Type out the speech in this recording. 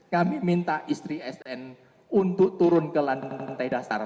kami minta istri sn untuk turun ke lantai dasar